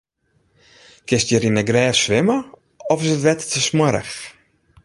Kinst hjir yn 'e grêft swimme of is it wetter te smoarch?